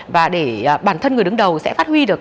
và để bản thân người đứng đầu sẽ phát huy được